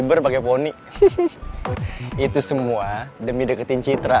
pertama kali dia nganterin saya